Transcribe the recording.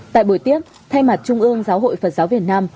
tại buổi tiếp thay mặt trung ương giáo hội phật giáo việt nam